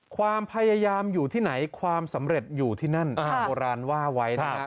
ความพยายามอยู่ที่ไหนความสำเร็จอยู่ที่นั่นทางโบราณว่าไว้นะฮะ